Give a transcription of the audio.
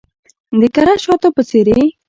د کره شاتو په څیرې